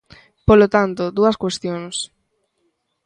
Polo tanto, dúas cuestións.